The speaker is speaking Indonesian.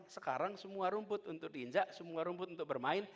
sekarang semua rumput untuk diinjak semua rumput untuk bermain